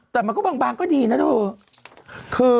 แต่มันก็บางก็ดีนะเถอะ